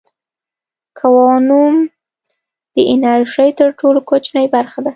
کوانوم د انرژۍ تر ټولو کوچنۍ برخه ده.